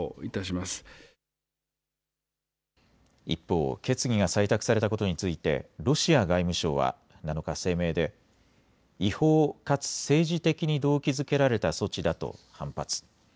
一方、決議が採択されたことについてロシア外務省は７日、声明で違法かつ政治的に動機づけられた措置だと反発。